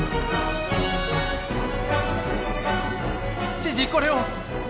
知事これを。